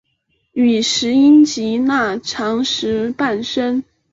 与石英及钠长石伴生。